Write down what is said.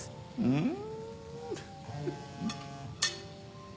うん！